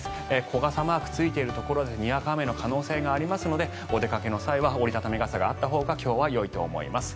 小傘マークがついているところでにわか雨の可能性がありますのでお出かけの際は折り畳み傘があったほうが今日はよいと思います。